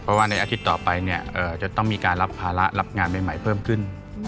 เพราะว่าในอาทิตย์ต่อไปเนี่ยจะต้องมีการรับภาระรับงานใหม่เพิ่มขึ้น